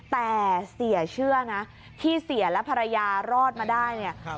แต่เสียเชื่อนะที่เสียและภรรยารอดมาได้เนี่ย